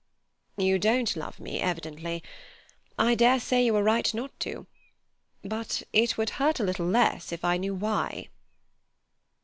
"You don't love me, evidently. I dare say you are right not to. But it would hurt a little less if I knew why."